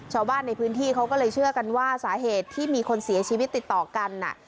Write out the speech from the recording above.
ชาวบ้านในพื้นที่เขาก็เลยเชื่อกันว่าสาเหตุที่มีคนเสียชีวิตติดต่อกัน